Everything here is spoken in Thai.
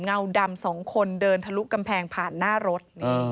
เงาดำสองคนเดินทะลุกำแพงผ่านหน้ารถ